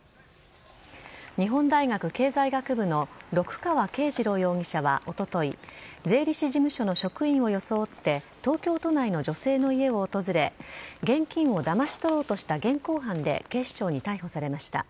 日本大学経済学部の六川恵二朗容疑者はおととい税理士事務所の職員を装って東京都内の女性の家を訪れ現金をだまし取ろうとした現行犯で警視庁に逮捕されました。